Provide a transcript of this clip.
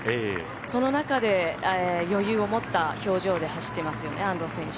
その中で、余裕を持った表情で走ってますよね、安藤選手。